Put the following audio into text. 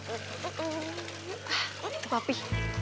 ah itu papi